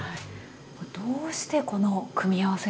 どうしてこの組み合わせが生まれたんですか？